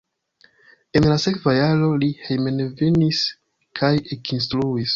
En la sekva jaro li hejmenvenis kaj ekinstruis.